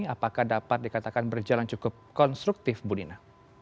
apakah dapat dikatakan berjalan cukup konstruktif bu dina